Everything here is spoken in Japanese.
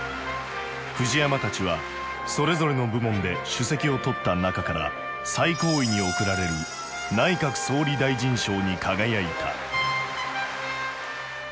藤山たちはそれぞれの部門で首席を取った中から最高位に贈られる内閣総理大臣賞に輝いた。